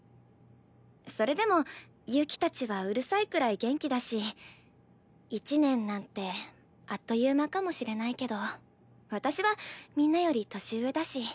それでも悠希たちはうるさいくらい元気だし１年なんてあっという間かもしれないけど私はみんなより年上だし。